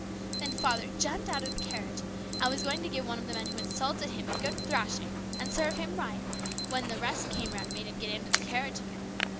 Then father jumped out of the carriage, and was going to give one of the men who insulted him a good thrashing, and serve him right, when the rest came round and made him get into the carriage again.